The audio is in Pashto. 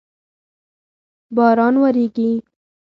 باران وریږی